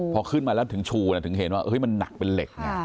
พอขึ้นมาแล้วถึงชูถึงเห็นว่ามันหนักเป็นเหล็กไง